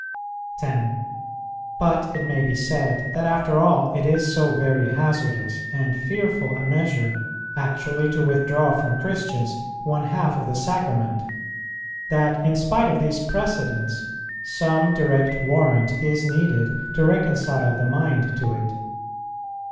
10. But it may be said, that after all it is so very hazardous and fearful a measure actually to withdraw from Christians one half of the Sacrament, that, in spite of these precedents, some direct warrant is needed to reconcile the mind to it.